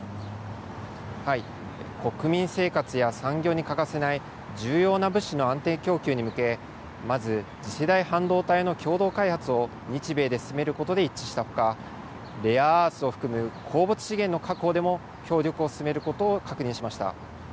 国民生活や産業に欠かせない重要な物資の安定供給に向け、まず次世代半導体の共同開発を日米で進めることで一致したほか、レアアースを含む鉱物資源の確保でも協力を進めることを確認しました。